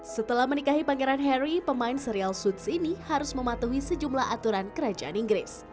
setelah menikahi pangeran harry pemain serial suits ini harus mematuhi sejumlah aturan kerajaan inggris